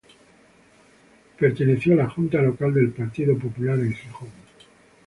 Perteneció a la Junta Local del Partido Popular en Gijón.